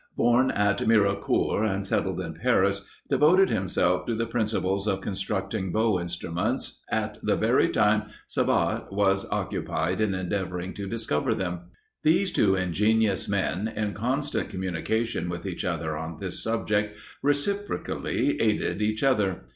born at Mirecourt, and settled in Paris, devoted himself to the principles of constructing bow instruments, at the very time Savart was occupied in endeavouring to discover them. These two ingenious men, in constant communication with each other on this subject, reciprocally aided each other.